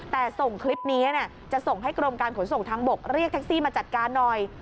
แต่ส่งคลิปนี้จะส่งให้กรมการขนส่งทางบกเรียกแท็กซี่มาจัดการหน่อย